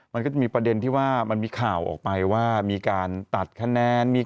มันก็จะมีประเด็นที่ว่ามันมีข่าวออกไปว่ามีการตัดคะแนน